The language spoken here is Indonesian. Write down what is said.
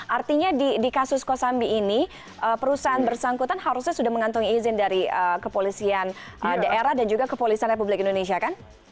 artinya di kasus kosambi ini perusahaan bersangkutan harusnya sudah mengantungi izin dari kepolisian daerah dan juga kepolisian republik indonesia kan